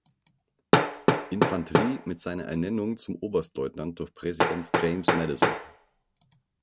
Infanterie mit seiner Ernennung zum Oberstleutnant durch Präsident James Madison.